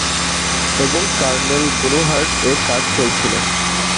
এবং kernel GNU Hurd এর কাজ চলছিল।